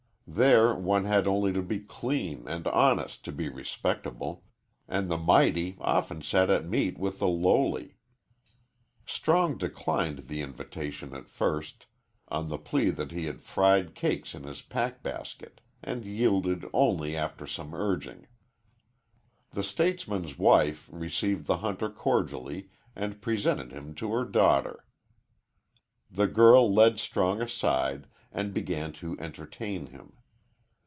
There one had only to be clean and honest to be respectable, and the mighty often sat at meat with the lowly. Strong declined the invitation at first, on the plea that he had fried cakes in his pack basket, and yielded only after some urging. The statesman's wife received the hunter cordially and presented him to her daughter. The girl led Strong aside and began to entertain him.